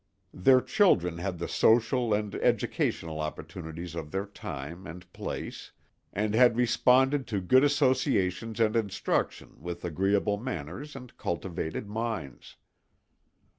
Their children had the social and educational opportunities of their time and place, and had responded to good associations and instruction with agreeable manners and cultivated minds.